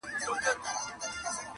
خلګ راغله و قاضي ته په فریاد سوه,